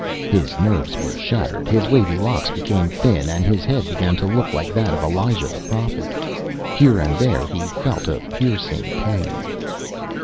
His nerves were shattered; his wavy locks became thin and his head began to look like that of Elijah the Prophet; here and there he felt a piercing pain....